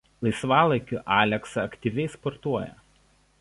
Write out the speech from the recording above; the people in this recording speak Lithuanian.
Laisvalaikiu Alexa aktyviai sportuoja.